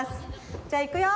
じゃあいくよ！